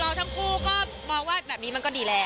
ทั้งคู่ก็มองว่าแบบนี้มันก็ดีแล้ว